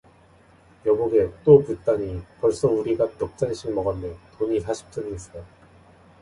여보게 또 붓다니, 벌써 우리가 넉 잔씩 먹었네, 돈이 사십 전일세